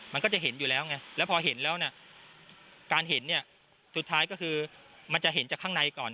มันก็จะเห็นอยู่แล้วไงแล้วพอเห็นแล้วเนี่ยการเห็นเนี่ยสุดท้ายก็คือมันจะเห็นจากข้างในก่อน